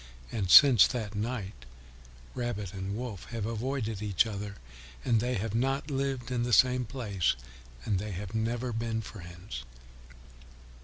And since that night Rabbit and Wolf have avoided each other, and they have not lived in the same place, and they have never since been friends.